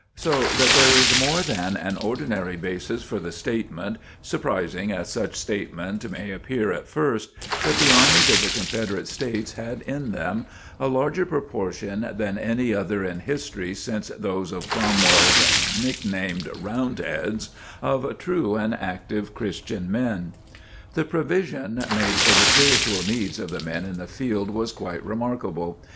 So that there is more than an ordinary basis for the statement, surprising as such a statement may appear at first, that the armies of the Confederate States had in them a larger proportion than any other in history since those of Cromwell's nicknamed "Roundheads," of true and active Christian men. The provision made for the spiritual needs of the men in the field was quite remarkable.